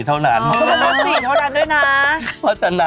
เท่านั้นนะ